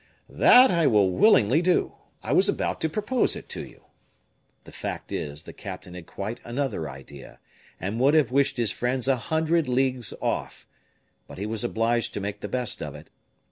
"That I will willingly do. I was about to propose it to you." The fact is, the captain had quite another idea, and would have wished his friends a hundred leagues off. But he was obliged to make the best of it.